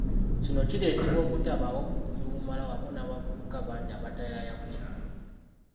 Kino kireetebwa obutabaawo bukuumi bumala wamu n'abavubuka bangi abataayaaya ku kyalo.